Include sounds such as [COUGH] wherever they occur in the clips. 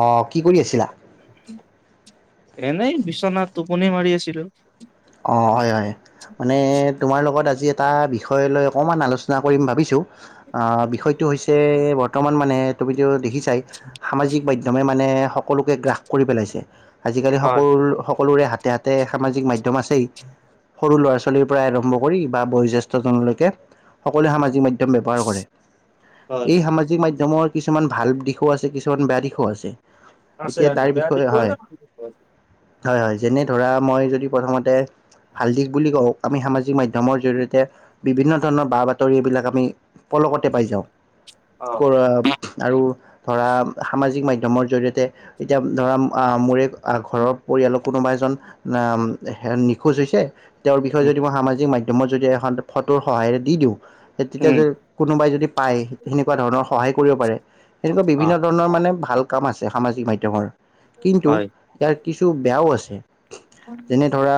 অঁ, কি কৰি আছিলা। এনেই বিচনাত টোপনি মাৰি আছিলো। অঁ হয় হয়। মানে তোমাৰ লগত আজি এটা বিষয় লৈ অকণমান আলোচনা কৰিম ভাবিছোঁ। অঁ বিষয়টো হৈছে বৰ্তমান মানে তুমিতো দেখিছাই সামাজিক মাধ্যমে মানে সকলোকে গ্ৰাস কৰি পেলাইছে। আজিকালি হয়, সকলো স সকলোৰে হাতে হাতে সামাজিক মাধ ধ্যম আছেই, সৰু ল'ৰা ছোৱালীৰ পৰাই আৰম্ভ কৰি বা বয়োজ্যেষ্ঠ জনলৈকে সকলোৱে সামাজিক মাধ্যম ব্যৱহাৰ কৰে। হয়, এই সামাজিক মাধ ধ্যমৰ কিছুমান ভাল দিশো আছে, কিছুমান বেয়া দিশো আছে। আছে এতিয়া আছে তাৰ বেয়া বিষয়ে দিশো হয় আছে ভাল দিশো আছে। হয় হয়, যেনে ধৰা মই যদি প্ৰথমতে ভাল দিশ বুলি কওঁ আমি সামাজিক মাধ্যমৰ জৰিয়তে বিভিন্ন ধৰণৰ বা বাতৰি এইবিলাক আমি পলকতে পাই যাওঁ। অ', কৰ আৰু ধৰা সামাজিক মাধ্যমৰ জৰি়য়তে এতিয়া ধৰা আহ মোৰে ঘৰৰ পৰিয়ালক কোনোবা এজন নিখোজ হৈছে তেওঁৰ বিষয়ে উম, যদি মই সামাজিক মাধ্যম মই যদি এখন ফটোৰ সহায়েৰে দি দিওঁ তেতিয়া উম, য কোনোবাই যদি পায়, সেনেকুৱা ধৰণৰ সহায় কৰিব পাৰে। এনেকুৱা অ', বিভিন্ন ধৰণৰ মানে ভাল কাম আছে সামাজিক মাধ্যমৰ। কিন্তু, হয়। ইয়াৰ কিছু বেয়াও আছে। যেনে ধৰা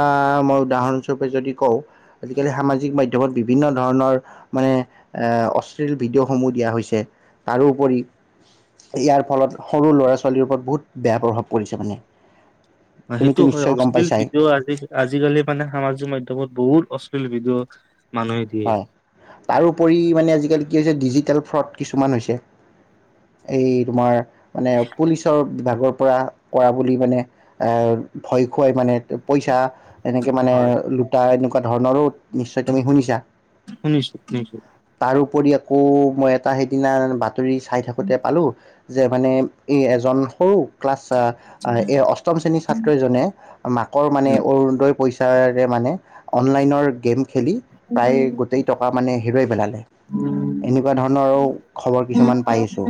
মই উদাহৰণস্বৰূপে যদি কওঁ আজিকালি সামাজিক মাধ্যম কেৱল বিভিন্ন ধৰণৰ মানে অশ্লীল ভিডিঅ' সমূহ দিয়া হৈছে, তাৰোপৰি ইয়াৰ ফলত সৰু ল'ৰা ছোৱালীৰ ওপৰত বহুত বেয়া প্ৰভাৱ পৰিছে মানে। তুমিতো সেইটো হয় নিশ্চয় গম অশ্লীল পাইছাই ভিডিঅ' আৰু আজিকালি মানে সামাজিক মাধ্যমত বহুত অশ্লীল ভিডিঅ' মানুহে দিয়ে হয় তাৰোপৰি মানে আজিকালি কি হৈছে ডিজি টেল ফ্ৰড কিছুমান হৈছে এই তোমাৰ মানে পুলিচৰ বিভাগৰ পৰা কৰা বুলি মানে আ ভয় দেখুৱাই মানে পইচা এনেকে মানে হয় লোটা এ তেনেকোৱা ধৰণৰো নিশ্চয় তুমি শুনিছো শুনিছো তাৰপৰি আকৌ মই এটা সেইদিনাৰ বাত ৰি চাই থাকোতে পালো যে মানে এই এজন সৰু ক্লাছ এই অষ্টম শ্ৰেণীৰ ছাত্ৰজনে মাকৰ মানে উম, অৰুনোদই পইচ ৰে মানে অনলাইনৰ গেম খেলি এই গোটেই টকা মানে হেৰুৱাই পেলালে এনেকোৱা ধৰণৰো খবৰ কিছুমান পাইছো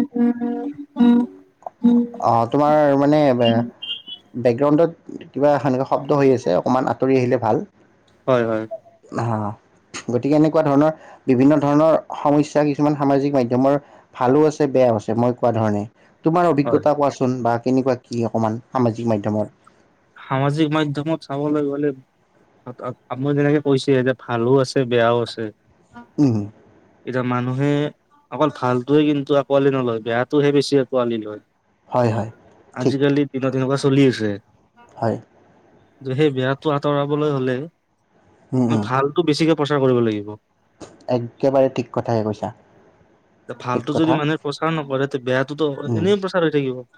অ তোমাৰ মানে বেকগ্ৰাউণ্ড অন্তত কিবা এনেকোৱা শব্দ হৈ আছে অকণমান আঁতৰি আহিলে ভাল হয় হয় হা হা গতিকে এনেকোৱা ধৰণৰ বিভিন্ন ধৰণৰ সমস্যা কিছুমান সামাজিক মাধ্যমৰ ভালো আছে বেয়াও আছে মই কোৱা ধৰণে তোমাৰ হয়। অভিজ্ঞতা কোৱাচোন বা কেনেকোৱা ই অকমান সামাজিক মাধ্যমত সামাজিক মাধ্যমত চাবলৈ গ'লে আপুনি যেনেকে কৈছে যে ভালো আছে বেয়াও আছে উম এতিয়া মানুহে অকল ভালটোৱে কিন্তু আঁকোৱালি নলয় বেয়াটোহে বেছি আঁকোৱালি লয় হয় হয়। ঠিক আজিকালি দিনত তেনেকোৱা চলি আছে হয় সেই বেয়াটো আঁতৰাবলৈ হলে উম মই উম ভালতো বেছিকে প্ৰচাৰ কৰিব লাগিব একেবাৰে ঠিক কথায় কৈছা ঠিক ভালতো যদি কথা মানুহে প্ৰচাৰ নকৰে তে বেয়া টো টো উম। এনেই প্ৰচাৰ হৈ থাকিব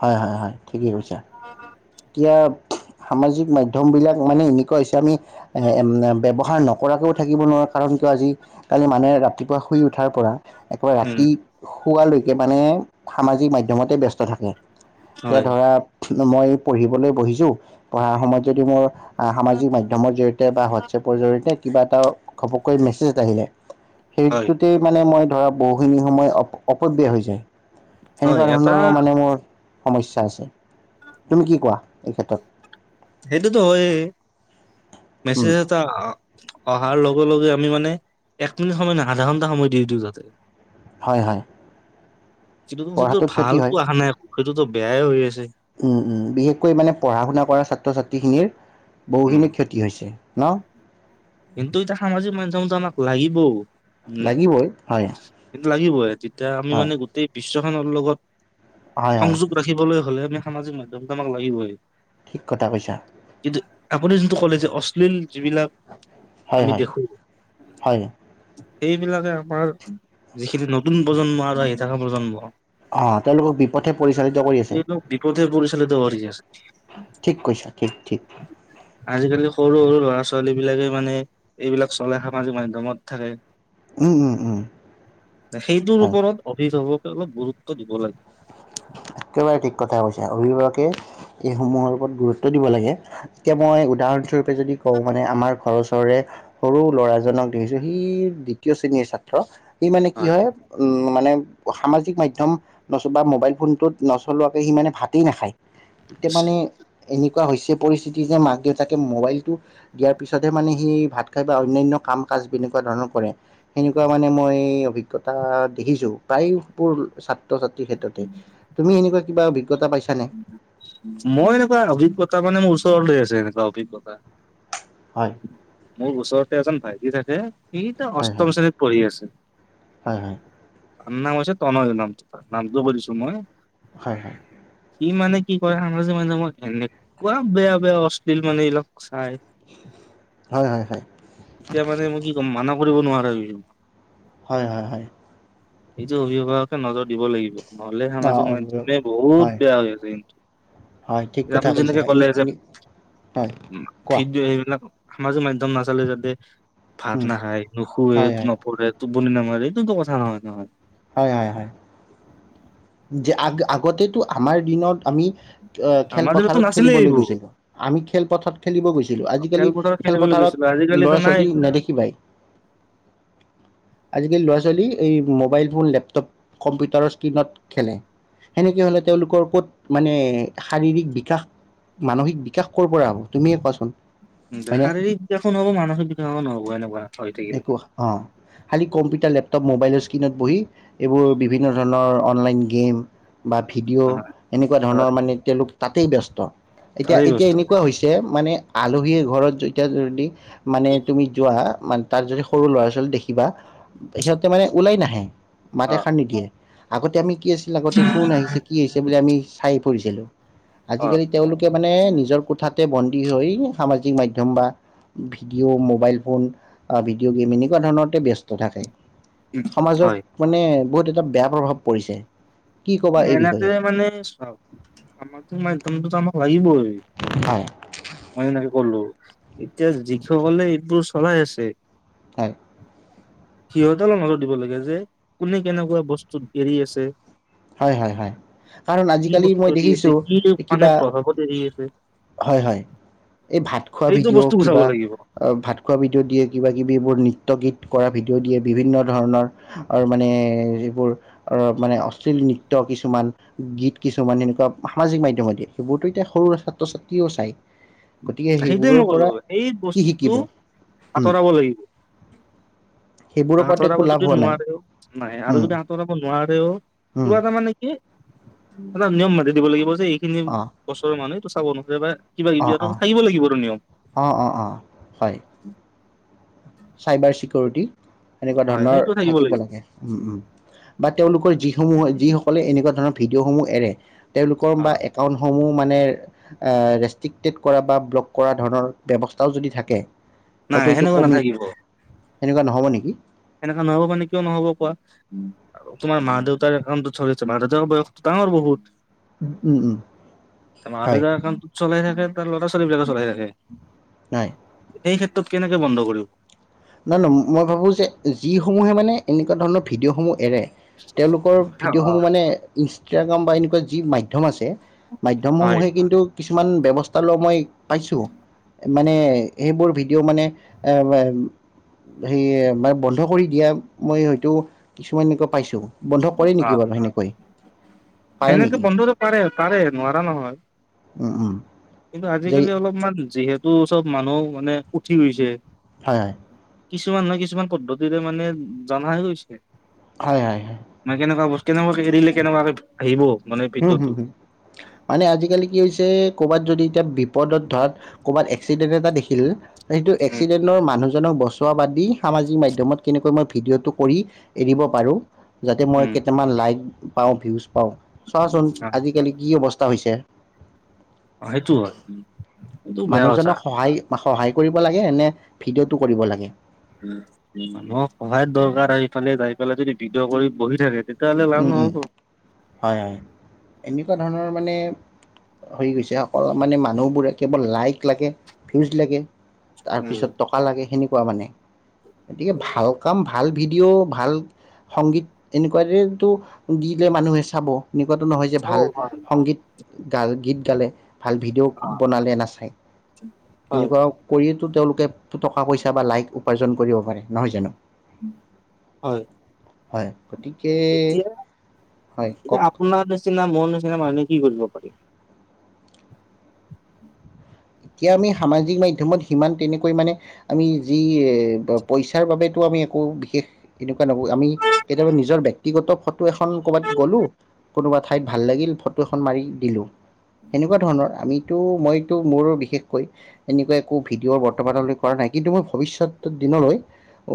হয় হয় হয় ঠিকেই কৈছা এতিয়া সামাজিক মাধ্যমবিলাক মানে এনেকুৱা হৈছে আমি ব্যৱহাৰ নকৰাকৈও থাকিব নোৱাৰোঁ কাৰণ কিয় আজি কালি মানুহে ৰাতিপুৱা শুই উঠাৰ পৰা একেবাৰে উম ৰাতি শুৱালৈকে মানে সামাজিক মাধ্যমতে ব্যস্ত থাকে এয়া হয় ধৰা মই পঢ়িবলৈ বহিছো পঢ়াৰ সময়ত যদি মোৰ সামাজিক মাধ্যমৰ জৰিয়ত বা হোৱাটছএপৰ জৰিয়তে কিবা এটাও ঘপককৈ মেছেজ এটা আহিলে হয় সেইটোতেই মানে মই ধৰা বহুখিনি সময় অপব্যয় হৈ যায় হয় সেনেকুৱা এটা ধৰণৰো মানে মোৰ সমস্যা আছে তুমি কি কোৱা এই ক্ষেত্ৰত সেইটোটো হয়েই উম, মেছেজ এটা অহাৰ লগে লগে আমি মানে এক মিনিট সময় নাই আধা ঘন্টা সময় দি দিওঁ যাতে হয় হয় পঢ়াটো [UNINTELLIGIBLE] ক্ষতি ভালটো হয় অহা নাই সেইটোতো বেয়াই হৈ আছে উম উম বিশেষকৈ মানে পঢ়া শুনা কৰা ছাত্ৰ ছাত্ৰীখিনিৰ উম বহুখিনি ক্ষতি হৈছে ন কিন্তু এতিয়া সামাজিক মাধ্যমতটো আমাক লাগিব লাগিবই হয় লাগিব এ যেতিয়া আমি হয় মানে গোটেই বি বিশ্ব খনৰ লগত হয় হয় সংযোগ ৰাখিবলৈ হ'লে আমি সামাজিক মাধ্যমটো আমাক লাগিবই ঠিক কথা কৈছা কিন্তু আপুনি যোনটো ক'লে যে অশ্লীল যিবিলাক হয়, হয়। হয়। সেইবিলাকে আমাৰ যিখিনি নতুন প্ৰজন্ম আৰু আহি থকা প্ৰজন্ম অ তেওঁলোকক বিপদহে পৰিচালিত কৰি আছে এইবিলাক বিপথে পৰিচালিত কৰি আছে। ঠিক কৈছািকিক আজিকালি সৰু সৰু ল'ৰা ছোৱালী বিলাকে মানে এইবিলাক চলে সামাজিক মাধ্যমত থাকে। উম উম উম সেইটোৰ হয় ওপৰত অভিভাৱক অলপ গুৰুত্ব দিব লাগে। একেবাৰে ঠিক কথা কৈছে, অভিভাৱকে এইসমূহৰ ওপৰত গুৰুত্ব দিব লাগে। এতিয়া মই উদাহৰণস্বৰূপে যদি কওঁ মানে আমাৰ ঘৰৰ ওচৰৰে সৰু ল'ৰাজনক দেখিছো সি দ্বিতীয় শ্ৰেণীৰ ছাত্ৰ সি মানে কি হয় মানে সামাজিক মাধ্যম নতুবা মোবাইল ফোনটোত নচলোৱাকৈ সিমানে ভাতেই নাখায়। এতিয়া মানে এনেকুৱা হৈছে পৰিস্থিতি যে মাক দেউতাকে মোবাইলটো দিয়াৰ পিছতহে মানে সি ভাত খাই বা অন্যান্য কাম কাজ তেনেকুৱা ধৰণৰ কৰে। সেনেকুৱা মানে মই অভিজ্ঞতা দেখিছোঁ প্ৰায়বোৰ ছাত্ৰ ছাত্ৰীৰ ক্ষেত্ৰতে। তুমি এনেকুৱা কিবা অভিজ্ঞ মই এনেকুৱা অভিজ্ঞতা মানে, মোৰচ চল্ড আছে এনেুৱা অভিজ্ঞত। হয় মোৰ ওচৰতে এজন ভাই তি থাকে সি এতিয়া হয় হয় অষ্টম শ্ৰেণীত পঢ়ি আছে। হয়, হয়। তাৰ নাম আছে তনজ নাম, তাৰ নামটো কৈ দিছোঁ মই। হয়, হয়। সি মানে কি কৰে, সামাজিক মাধ্যমত এনেকুৱা বেয়া বেয়া অশ্লীল মানে এইবিলাক চাই। হয় হয় হয় এতিয়া মানে মই কি কম, মানক কৰিব নোৱাৰা হৈ হয়, হয়, হয়। এইটো অভিভাৱকে নজৰ দিব লাগিব। নহলে অ সামাজিক অভিভাৱক মাধ্যমে বহুত হয় বেয়া হৈ আছে কিন্তু। হয় ঠিক কথা আমি কৈছা যেনেকে কলে এনে যে, এনে হয় কোৱা ভিদিঅ' এহ মাজে মাধ্যম নাচালে জাতে। ভাত উম নাখায়, নুশুৱে, হয় হয় নপঢ়ে। টোপনি নামাৰে। এইটোতো কথা নহয়, নহয়। হয়, হয়, হয়। যে, আগ-আগতেটো আমাৰ দিনত আমি আমাৰ দিনততো খেলপথাৰত নাছিলে খেলিবলৈ এইবোৰ। গৈছিলো। আমি খেলপথাৰত খেলিব গৈছিলো। আজিকালি খেলপথাৰত খেলিবলৈ খেলপথাৰত গৈছিলো আজিকালিতো ল'ৰা নাই ছোৱালী এইবিলাক। নদেখিবাই। আজিকালি ল'ৰা -ছোৱালী এই মোবাইল, ফোন, লেপটপ, কম্পিউটাৰৰ স্ক্ৰীণত খেলে। সেনেকে হলে, তেওঁলোকৰ ক'ত মানে, শাৰীৰিক বিকাশ, মানসিক বিকাশ কৰ পৰা হ'ব তুমিয়ে কোৱাচোন? দেখা - দেখি হয়নে? শাৰিৰীক বিকাশো নহ'ব, মানসিক বিকাশো নহ'ব এনেকুৱা। হৈ থাকিলে। একো, অ' খালি কম্পিউটাৰ, লেপটপ মোবাইল, স্কিনত বহি, এইবোৰ বিভিন্ন ধৰণৰ, অনলাইন গেম, বা ভিডিঅ'। হয় এনেকুৱা ধৰণৰ মানে, তেওঁলোক, তাতেই ব্যস্ত। তাত, এতিয়া, তাৰেই এতিয়া বস্তু এনেকুৱা হৈছে মানে আলহীয়ে ঘৰত যেতিয়া যদি, মানে তুমি যোৱা মান, তাত যদি সৰু ল'ৰা -ছোৱালী দেখিবা, সিহঁতে মানে ওলাই নাহে। মাত অ' এসাৰ্ নিদিয়ে। আগতে আমি, কি আছিল আগতে, কোন আহিছে কি বুলি আমি চাই, শুইচিলো। অ' আজিকালি তেওঁলোকে মানে নিজৰ কোঠাতে বন, ই -হয় সামাজিক মাধ্যম বা ভিডিঅ' মোবাইল ফোন বা ভিডিঅ' গেম এনেকুৱা ধৰণতে ব্যস্ত থাকে। সমাজত হয়। মানে, বহুত এটা বেয়া প্ৰভাৱ পৰিছে। কি ক'বা এই এনেকে বিষয়ে মানে চাওক সামাজিক মাধ্যম মানে টো আমাক, লাগিবই। হয় [UNINTELLIGIBLE] বলো। [UNINTELLIGIBLE] চলাই আছে। হয় সিহতে অলপ নজৰ দিব লাগে যে কোনে কেনেকুৱা বস্তুত এৰি আছে। হয় -হয় -হয় কাৰণ কি আজিকালি বস্তু মই এৰি আছে দেখিছো কি মানে কিবা, প্ৰভাৱত এৰি আছে হয় -হয় এই ভাত খোৱা সেইটো ভিডিঅ', বস্তু গুচাব কিবা লাগিব ভাত খোৱা ভিডিঅ' দিয়ে কিবা কিবিবোৰ নৃত্য- গীত কৰা ভিডিঅ' দিয়ে বিভিন্ন ধৰণৰ মানে, যিবোৰ মানে, অশ্লীল নৃত্য কিছুমান গীত কিছুমান সেনেকুৱা সামাজিক মাধ্যমেদী দিয়ে সেইবোৰতো এতিয়া সৰু ছাত্ৰ ছাত্ৰীও চায়। সেইটোোৱে মই ক'লো এই বস্তুটো শিকিব উম আঁতৰাব লাগিব সেইবোৰৰ বা পৰাতো আঁতৰাব একো লাভ যদি হোৱা নাই নোৱাৰেও নাই আৰু উম যদি আঁতৰাব নোৱাৰে, তেওঁ, উম কিবা তাৰমানে কি, নিয়ম মাতি দিব লাগিব টো এইখিনি অ বছৰৰ মানুহে টো চাব নহয় [UNINTELLIGIBLE] কিবা অ কিবি অ আৰু থাকিব লাগিবটো নিয়ম অ অ অ হয় চাইবাৰ চিকিউৰিটি এনেকুৱা হয় ধৰণৰ সেইটো থাকিব লাগিব লাগে উম উম বা তেওঁলোকৰ যিসমূহ যিসকলে এনেকুৱা ধৰণৰ ভিডিঅ'সমূহ এৰে তেওঁলোকৰ অ বা একাউণ্টসমূহ মানে ৰেষ্টিক টেট কৰা বা ব্লক কৰা ধৰণৰ ব্যৱস্থাও যদি থাকে নাই সেনেকুৱা নাথাকিব এনেকুৱা নহব নেকি সেনেকা নহব মানে কিয় নহ'ব কোৱা, তোমাৰ মা দেউতাৰ একাউণ্টত [UNINTELLIGIBLE] আছে মা দেউতাৰ বয়সটো ডাঙৰ বহুত উম উম মা হয় দেউতাৰ একাউণ্টত চলাই থাকে তাৰ ল'ৰা ছোৱালী বিলাকে চলাই থাকে নাই সেই ক্ষেত্ৰত কেনেকে বন্ধ কৰিব? না না মই ভাবো যে যিসমূহে মানে এনেকুৱা ধৰণৰ ভিডিঅ সমূহ এৰে তেওঁলোকৰ ভিডিঅ 'সমূহ মানে ইনচ [UNINTELLIGIBLE] বা এনেকুৱা যি মাধ্যম আছে। মাধ্যম হয় সমূহে কিন্তু কিছুমান ব্যৱস্থা লোৱা মই পাইছোঁ, মানে সেইবোৰ ভিডিঅ' মানে এ সে মানে বন্ধ কৰি দিয়া মই হয়তো কিছুমান এনেকুৱা পাইছো বন্ধ কৰে নেকি অ' বাৰু সেনেকৈ, পাৰে সেনেকে নেকি? বন্ধ পাৰে পাৰে, নোৱাৰা নহয় উম উম কিন্তু যে আজিকালি অলপমান যিহেত টো চব মানুহ মানে উঠি গৈছে, হয় হয় কিছুমান নহয় কিছুমান পদ্ধতিৰে মানে জনা গৈছে হয় হয় কেনেবাকে এৰিলে কেনেবাকে হুম হুম মানে আজিকালি কি হৈছে কৰ'বাত যদি। এতিয়া বিপদত ধৰাত। কৰবাত এক্সিডেণ্ট এটা দেখি। কিল সেইটো উম এক্সিডেণ্টৰ মানুহ। জনক বচোৱা বাদ দি সামাজিক মাধ্যমত কেনেকৈ মই ভিডিঅ'টো কৰি এৰিব পাৰোঁ। যাতে মই উম কেইটামান লাইক। পাওঁ ভিউজ পাওঁ চোৱাচোন অ আজিকালি কি অৱ তা হৈছে সেইটো হয় এইটো বেয়া কথা মানুহজনক সহায় সহায় কৰিব লাগে নে ভিডিঅ'টো কৰিব লাগে। মানুহক সহায়ত দৰকাৰ আৰু এইফালে যাই পালাই যদি ভিডিঅ কৰি বহি থাকে তে উম উম হয় হয় এনেকুৱা ধৰণৰ মানে হৈ গৈছে সকলো মানে মানুহবোৰে কেৱল লাইক লাগে ভিউজ লাগে। তাৰ উম পিছত টকা লাগে সেনে পোৱা মানে গতিকে ভাল কাম ভাল ভাল ভিডিঅ' ভাল সংগীত এনেকুৱাতে টো দিলে মানুহে চাব এনেকুৱাতো নহয় যে অ ভাল হয় সংগীত গাল গীত গালে ভাল ভিডিঅ' অ বনালে নাচায় হয় এনেকুৱা কৰি তেওঁলোকে টকা পইচা বা লাইক উপাৰ্জন কৰিব পাৰে নহয় জানো। হয় হয় গতিকে এতিয়া হয় কওক আপোনাৰ নিচিনা মোৰ নিচিনা মানুহে কি কৰিব পাৰি এতিয়া আমি সামাজিক মাধ্যমত সিমান তেনে পৰিমাণে আমি যি পইচাৰ বাবেতো আমি একো বিশেষ এনেকুৱা নব আমি কেতিয়াবা নিজৰ ব্ক্তিগত [UNINTELLIGIBLE] এখন কৰ'ৰবাত গ'লো কোনোবা ঠাইত ভাল লাগিল ফটো এখন মাৰি দিলো। সেনেকুৱা ধৰণৰ আমি। সিটো মইতো মোৰো বিষ। বিশেষকৈ এনেকুৱা একো ভিডিঅ' বৰ্তমানলৈ কৰা নাই কিন্তু মই ভৱিষ্যত দিনলৈ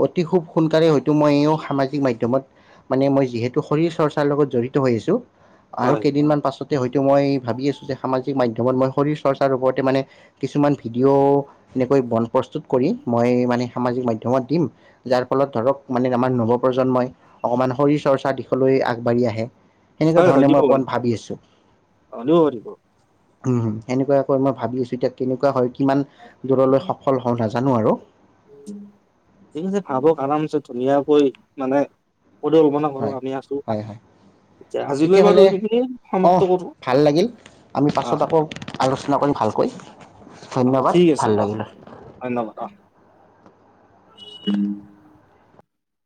অতি খুব সোনকালে হয়তো মই সামাজিক মাধ্যমত মানে মই যিহেতু শৰীৰ চৰ্চাৰ লগত জড়িত হৈ আছো আৰু হয় কেইদিনমান পাছত হয়তো মই ভাবি আছো যে সামাজিক মাধ্যমত মই শৰীৰ চৰ্চাৰ ওপৰতে মানে কিছুমান ভিডিঅ' এনেকৈ বন প্ৰস্তুত কৰি মই মানে সামাজিক মাধ্যমত দিম যাৰ ফলত ধৰক মানে আমাৰ নৱপ্ৰজন্মই অকমান শৰীৰ চৰ্চা দিশলৈ আগবাঢ়ি আহে। সেনেকুৱা হয়, হয় ধৰণে মই দিব অকণমান ভাবি পাৰিব আছোঁ অ' দিব পাৰিব। উ সেনেকুৱাকৈ মই ভাবি আছো এতিয়া কেনেকুৱা হয়। কিমান দূৰলৈ সফল হওঁ নাযা জানো আৰু [UNINTELLIGIBLE] ধুনীয়াকৈ মানে হয়। [UNINTELLIGIBLE] আমি আছোঁ, হয়, হয় এতিয়া আজিলৈ বাৰু তেতিয়াহ'লে সেইখিনি অ' সমাপ্ত কৰোঁ, ভাল আ। চনা কৰিম ভালকৈ। অ', ধন্যবাদ ঠিক আছে, ভাল অ', লাগিল। ধন্যবাদ অ'। [INAUDIBLE]